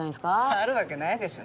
あるわけないでしょ